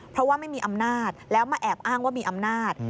เพราะว่าไม่มีอำนาจแล้วมาแอบอ้างว่ามีอำนาจ